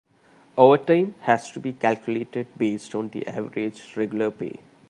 Overtime has to be calculated based on the average regular pay.